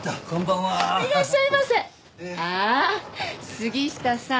杉下さん